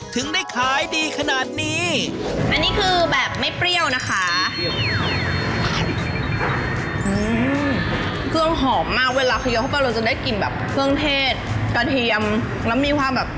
ถึงได้ขายดีขนาดนี้